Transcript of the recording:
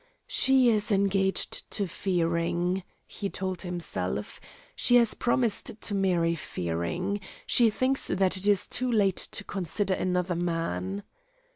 "She is engaged to Fearing!" he told himself. "She has promised to marry Fearing! She thinks that it is too late to consider another man!"